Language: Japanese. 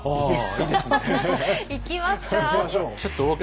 行きますか。